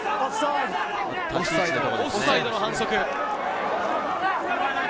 オフサイドの反則。